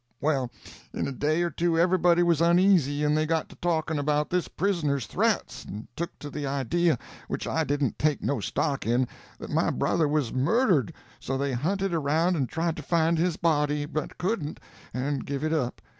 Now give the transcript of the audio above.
Well, in a day or two everybody was uneasy, and they got to talking about this prisoner's threats, and took to the idea, which I didn't take no stock in, that my brother was murdered so they hunted around and tried to find his body, but couldn't and give it up.